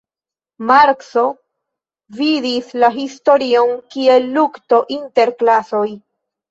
Markso vidis la historion kiel lukto inter klasoj.